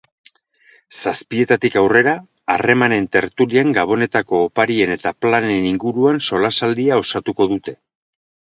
Zazpietatik aurrera, harremanen tertulian gabonetako oparien eta planen inguruan solasaldia osatuko dute.